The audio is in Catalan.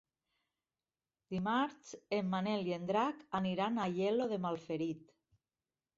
Dimarts en Manel i en Drac aniran a Aielo de Malferit.